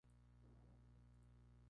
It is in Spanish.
María Magdalena Schiavone.